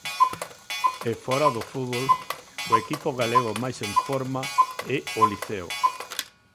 E fóra do fútbol, o equipo galego máis en forma é o Liceo.